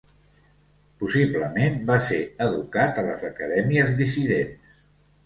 Possiblement va ser educat a les Acadèmies Dissidents.